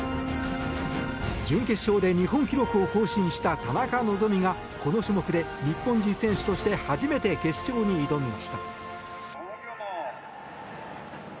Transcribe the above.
準決勝で日本記録を更新した田中希実がこの種目で日本人選手として初めて決勝に挑みました。